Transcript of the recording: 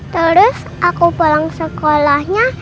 terus aku pulang sekolahnya